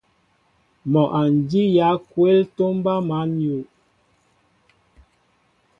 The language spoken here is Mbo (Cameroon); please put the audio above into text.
Mol a njii yaakwɛl tomba măn yu.